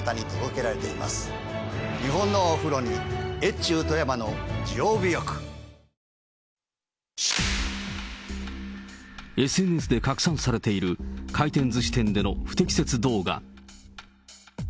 中には、ＳＮＳで拡散されている、回転ずし店での不適切動画。